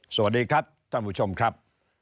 สวัสดีครับท่านผู้ชมครับ